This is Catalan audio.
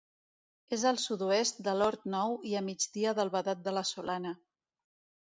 És al sud-oest de l'Hort Nou i a migdia del Vedat de la Solana.